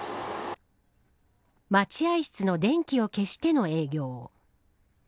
待合室の電気を消しての営業。